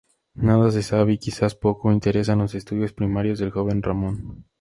Nada se sabe y quizás poco interesan los estudios primarios del joven Ramón.